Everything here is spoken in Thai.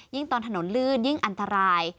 ตอนถนนลื่นยิ่งอันตราย